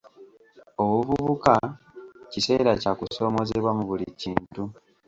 Obuvubuka kiseera kya kusoomoozebwa mu buli kintu.